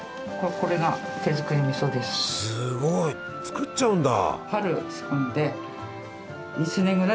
すごい！作っちゃうんだ！